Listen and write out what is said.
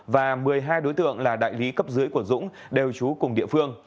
và một mươi hai đối tượng là đại lý cấp dưới của dũng đều trú cùng địa phương